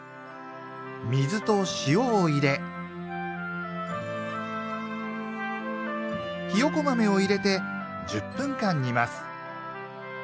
水と塩を入れひよこ豆を入れて１０分間煮ます。